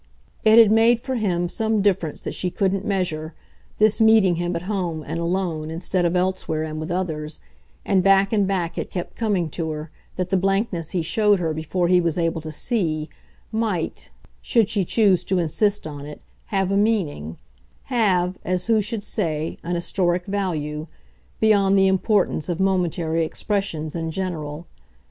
It had made for him some difference that she couldn't measure, this meeting him at home and alone instead of elsewhere and with others, and back and back it kept coming to her that the blankness he showed her before he was able to SEE might, should she choose to insist on it, have a meaning have, as who should say, an historic value beyond the importance of momentary expressions in general.